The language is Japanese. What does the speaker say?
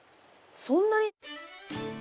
そんなに！